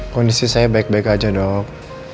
kondisi saya baik baik aja dok